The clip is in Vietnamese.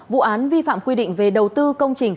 vụ án vi phạm quy định về đầu tư công trình